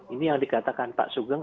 ini yang dikatakan pak sugeng